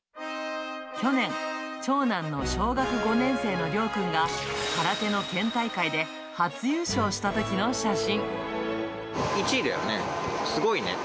去年、長男の小学５年生のりょう君が空手の県大会で初優勝したときの写真。